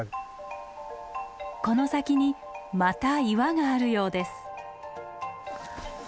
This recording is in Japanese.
この先にまた岩があるようです。